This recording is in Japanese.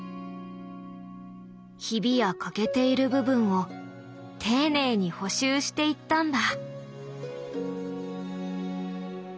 ヒビや欠けている部分を丁寧に補修していったんだ。